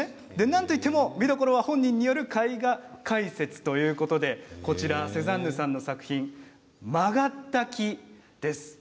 なんといっても見どころは本人による絵画解説ということでセザンヌさんの作品「曲がった木」です。